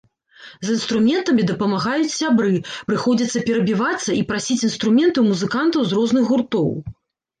З інструментамі дапамагаюць сябры, прыходзіцца перабівацца і прасіць інструменты ў музыкантаў з розных гуртоў.